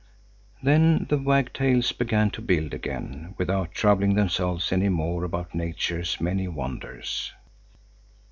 Then the wagtails began to build again, without troubling themselves any more about nature's many wonders.